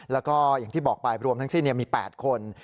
แล้วก็อย่างที่บอกไปรวมทั้งสิ้นมี๘คน